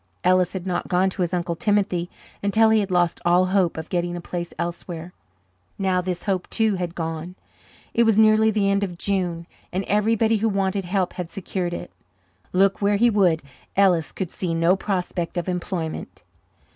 Ellis had not gone to his Uncle Timothy until he had lost all hope of getting a place elsewhere. Now this hope too had gone. It was nearly the end of June and everybody who wanted help had secured it. Look where he would, Ellis could see no prospect of employment.